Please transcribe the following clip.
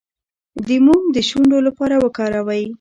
د موم د شونډو لپاره وکاروئ